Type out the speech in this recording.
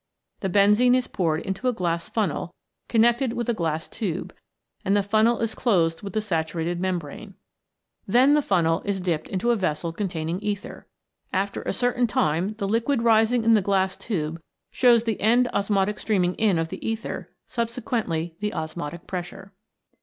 The benzene is poured into a glass funnel connected with a glass tube, and the funnel is closed with the saturated membrane. Then the funnel is dipped into a vessel containing ether. After a certain time the liquid rising in the glass tube shows the endosmotic streaming in of ether, subsequently the osmotic pressure.